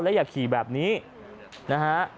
อย่าขี่แบบนี้นะฮะ